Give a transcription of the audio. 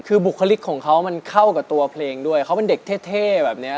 คือบุคลิกของเขามันเข้ากับตัวเพลงด้วยเขาเป็นเด็กเท่แบบนี้